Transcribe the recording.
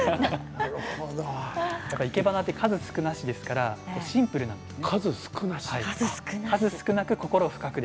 いけばなって数少なしですからシンプルなんですね。